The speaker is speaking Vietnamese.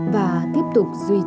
và tiếp tục duy trì cuộc sống